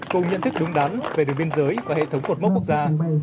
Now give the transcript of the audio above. cùng nhận thức đúng đắn về đường biên giới và hệ thống cột mốc quốc gia